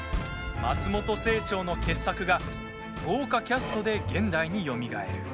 松本清張の傑作が豪華キャストで現代によみがえる。